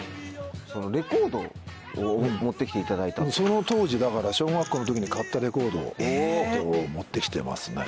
そのレコードを持って来ていただいたと。その当時だから小学校の時に買ったレコードを持って来てますね。